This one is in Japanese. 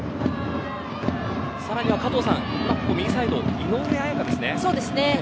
さらには加藤さんここ右サイド、井上綾香ですね。